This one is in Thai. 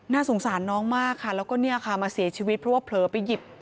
สงสารน้องมากค่ะแล้วก็เนี่ยค่ะมาเสียชีวิตเพราะว่าเผลอไปหยิบ